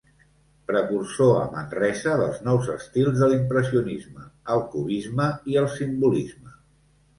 Precursor a Manresa dels nous estils de l'impressionisme, el cubisme i el simbolisme.